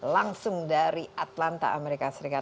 langsung dari atlanta amerika serikat